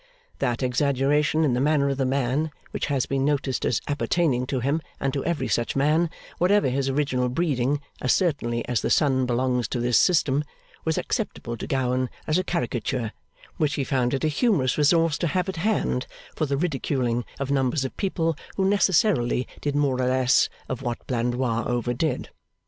That exaggeration in the manner of the man which has been noticed as appertaining to him and to every such man, whatever his original breeding, as certainly as the sun belongs to this system, was acceptable to Gowan as a caricature, which he found it a humorous resource to have at hand for the ridiculing of numbers of people who necessarily did more or less of what Blandois overdid.